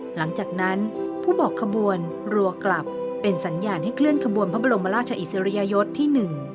หลังจากนั้นผู้บอกขบวนรัวกลับเป็นสัญญาณให้เคลื่อนขบวนพระบรมราชอิสริยยศที่๑